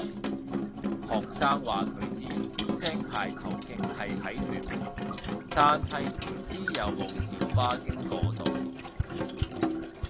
學生話佢知石排頭徑係喺屯門，但係唔知有冇小巴經嗰度